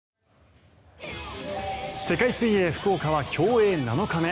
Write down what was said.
世界水泳福岡は競泳７日目。